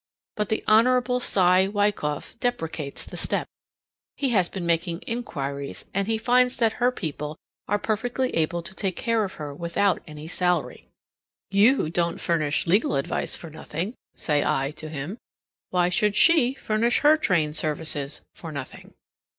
But the Hon. Cy Wykoff deprecates the step. He has been making inquiries, and he finds that her people are perfectly able to take care of her without any salary. "You don't furnish legal advice for nothing," say I to him. "Why should she furnish her trained services for nothing?"